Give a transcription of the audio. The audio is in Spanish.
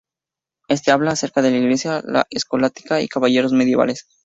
Este habla acerca de la iglesia, la escolástica y caballeros medievales